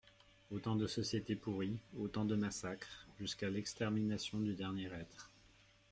Autant de sociétés pourries, autant de massacres, jusqu'à l'extermination du dernier être.